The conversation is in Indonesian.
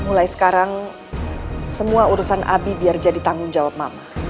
mulai sekarang semua urusan abi biar jadi tanggung jawab mama